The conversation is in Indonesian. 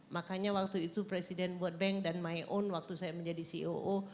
makanya waktu itu presiden world bank dan my on waktu saya menjadi ceo